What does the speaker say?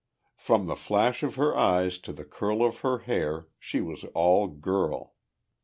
From the flash of her eyes to the curl of her hair, she was all girl.